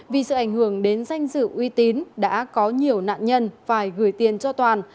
vì sự ảnh hưởng đến danh dự uy tín đã có nhiều nạn nhân phải gửi tiền cho toàn